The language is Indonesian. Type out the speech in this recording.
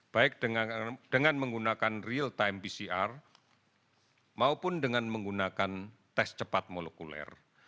baik dengan menggunakan real time pcr maupun dengan menggunakan tes cepat molekuler